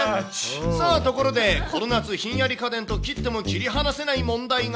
さあ、ところで、この夏、ひんやり家電と切っても切り離せない問題が。